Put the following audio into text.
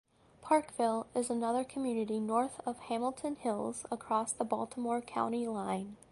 Parkville is another community north of Hamilton Hills across the Baltimore County line.